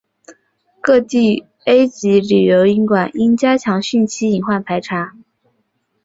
各地 A 级旅游景区应加强汛期隐患排查